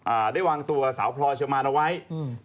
อ่าได้วางตัวสาวพลอยเชอร์มานเอาไว้อืม